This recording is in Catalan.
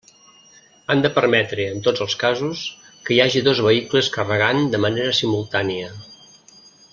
Han de permetre en tots els casos que hi hagi dos vehicles carregant de manera simultània.